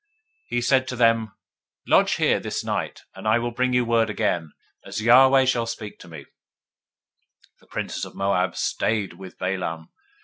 022:008 He said to them, Lodge here this night, and I will bring you word again, as Yahweh shall speak to me: and the princes of Moab abode with Balaam.